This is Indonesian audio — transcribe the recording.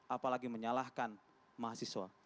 apalagi menyalahkan mahasiswa